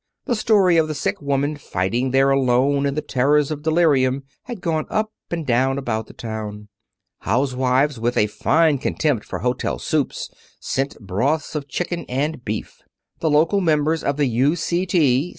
The story of the sick woman fighting there alone in the terrors of delirium had gone up and down about the town. Housewives with a fine contempt for hotel soups sent broths of chicken and beef. The local members of the U. C. T.